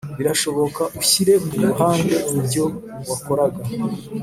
Birashoboka ushyire ku ruhande ibyo wakoraga.